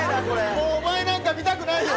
もうお前なんか見たくないよ！